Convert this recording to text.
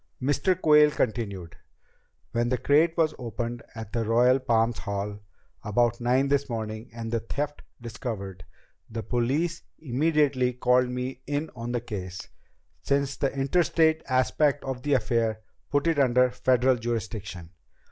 Mr. Quayle continued. "When the crate was opened at the Royal Palms Hall about nine this morning and the theft discovered, the police immediately called me in on the case, since the interstate aspect of the affair put it under Federal jurisdiction.